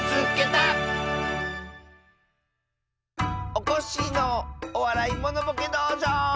おこっしぃの「おわらいモノボケどうじょう」！